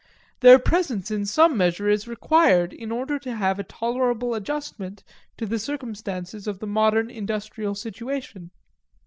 Their presence in some measure is required in order to have a tolerable adjustment to the circumstances of the modern industrial situation.